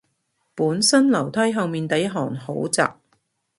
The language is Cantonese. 本身樓梯後面第一行好窄